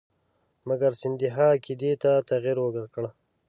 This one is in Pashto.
مګر سیندهیا عقیدې ته تغیر ورکړ.